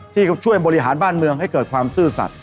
ที่ช่วยบริหารบ้านเมืองให้เกิดความซื่อสัตว